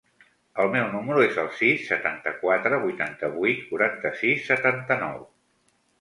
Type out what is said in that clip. El meu número es el sis, setanta-quatre, vuitanta-vuit, quaranta-sis, setanta-nou.